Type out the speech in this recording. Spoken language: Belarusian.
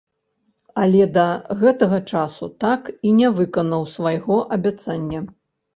Але да гэтага часу так і не выканаў свайго абяцання.